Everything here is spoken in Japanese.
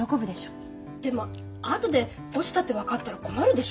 でもあとで落ちたって分かったら困るでしょ？